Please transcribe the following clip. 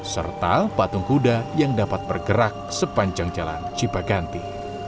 serta patung kuda yang dapat bergerak sepanjang jalan cipaganti